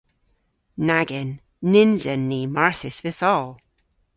Nag en. Nyns en ni marthys vytholl.